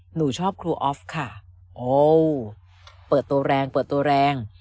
หนูชอบครูออฟค่ะโอ้เปิดตัวแรงเปิดตัวแรง